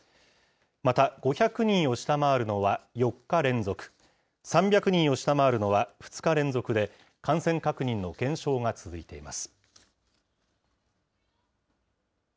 また、５００人を下回るのは４日連続、３００人を下回るのは２日連続で、感染確認の減少が続いています。